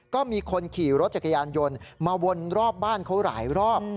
ก็มีคนขี่รถจักรยานยนต์มาวนรอบบ้านเขาหลายรอบ